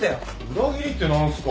裏切りって何すか。